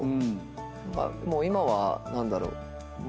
もう今は何だろう。